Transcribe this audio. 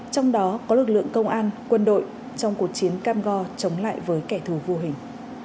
trong đó có lực lượng công an quân đội trong cuộc chiến cam go chống lại với kẻ thù vô hình